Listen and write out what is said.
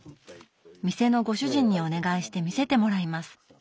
店のご主人にお願いして見せてもらいます。